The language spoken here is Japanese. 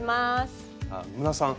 野村さん